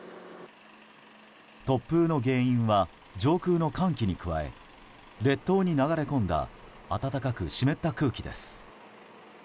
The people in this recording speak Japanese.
突風の原因は上空の寒気に加え列島に流れ込んだ暖かく湿った空気です。